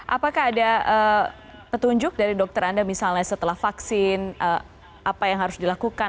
apakah ada petunjuk dari dokter anda misalnya setelah vaksin apa yang harus dilakukan